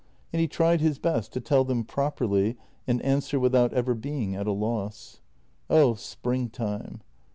And he tried his best to tell them properly and answer without ever being at a loss. Oh, spring time!